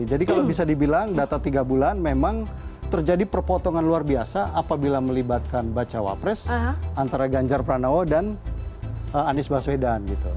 jadi kalau bisa dibilang data tiga bulan memang terjadi perpotongan luar biasa apabila melibatkan bacawapres antara ganjar pranowo dan anies baswedan gitu